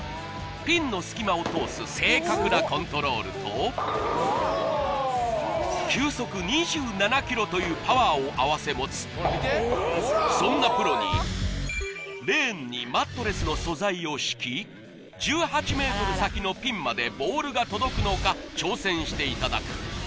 ピンの隙間を通す正確なコントロールと球速２７キロというパワーを併せ持つそんなプロにレーンにマットレスの素材を敷き１８ｍ先のピンまでボールが届くのか挑戦していただく